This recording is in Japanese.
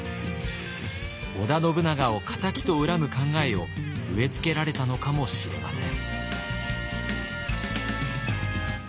織田信長を仇と恨む考えを植え付けられたのかもしれません。